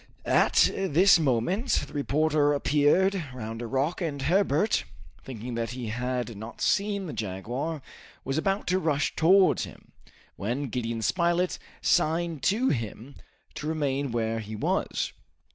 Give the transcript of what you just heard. At this moment the reporter appeared round a rock, and Herbert, thinking that he had not seen the jaguar, was about to rush towards him, when Gideon Spilett signed to him to remain where he was.